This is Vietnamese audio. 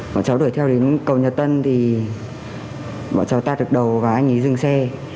bọn cháu đuổi theo đến cầu nhật tân thì bọn cháu ta được đầu và anh ý dừng xe